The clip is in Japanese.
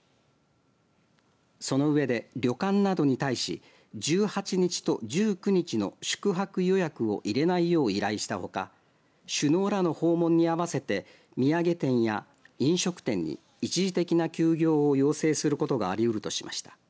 その上で旅館などに対し１８日と１９日の宿泊予約を入れないよう依頼したほか首脳らの訪問に合わせて土産店や飲食店に一時的な休業を要請することがありうるとしました。